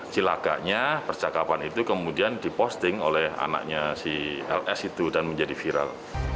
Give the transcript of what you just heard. cilakanya percakapan itu kemudian diposting oleh anaknya si ls itu dan menjadi viral